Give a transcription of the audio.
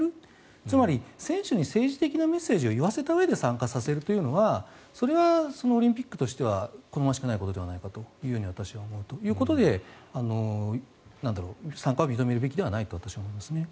つまり選手に政治的なメッセージを言わせたうえで参加させるというのはそれはオリンピックとしては好ましくないことではないかと私は思うということで参加を認めるべきではないと私は思いますね。